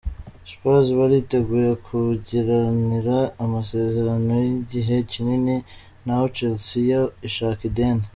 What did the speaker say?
Spurs bariteguye kugiriranira amasezerano y'igihe kinini n'aho Chelsea yo ishaka ideni.